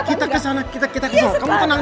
kita kesana kita kesana